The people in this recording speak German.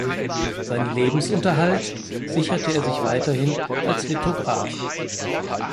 Seinen Lebensunterhalt sicherte er sich weiterhin als Lithograf.